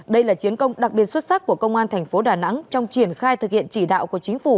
đây là chiến công đặc biệt xuất sắc của công an thành phố đà nẵng trong triển khai thực hiện chỉ đạo của chính phủ